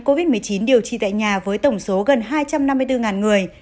covid một mươi chín điều trị tại nhà với tổng số gần hai trăm năm mươi bốn người